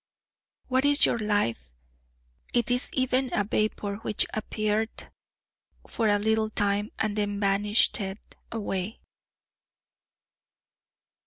"What is your life? it is even a vapor, which appeareth for a little time, and then vanisheth away."